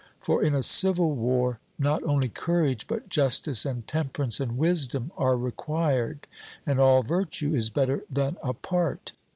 For in a civil war, not only courage, but justice and temperance and wisdom are required, and all virtue is better than a part.